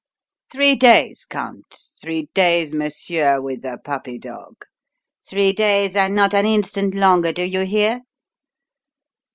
Three days, Count; three days, monsieur with the puppy dog; three days, and not an instant longer, do you hear?"